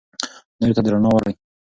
نورو ته رڼا ورکړئ.